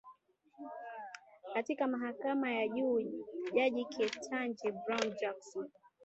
katika mahakama ya juu jaji Ketanji Brown Jackson